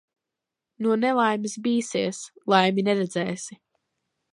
No nelaimes bīsies, laimi neredzēsi.